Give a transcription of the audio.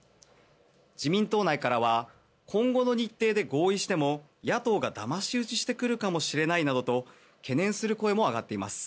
自民党内からは今後の日程で合意しても野党がだまし討ちしてくるかもしれないなどと懸念する声も上がっています。